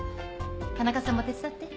田中さんも手伝って。